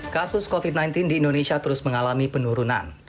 kasus covid sembilan belas di indonesia terus mengalami penurunan